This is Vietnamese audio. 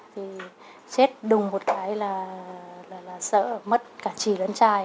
thì chết đùng một cái là sợ mất cả trì lớn trài